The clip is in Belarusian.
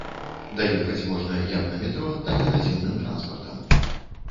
Даехаць можна як на метро, так і наземным транспартам.